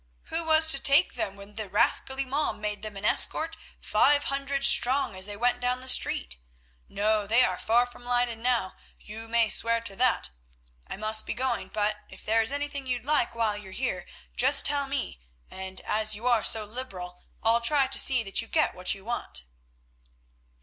Who was to take them when the rascally mob made them an escort five hundred strong as they went down the street? No, they are far away from Leyden now, you may swear to that. I must be going, but if there is anything you'd like while you're here just tell me, and as you are so liberal I'll try and see that you get what you want."